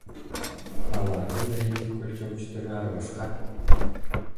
Алардын рейтинг өлчөгүчтөрү ар башка.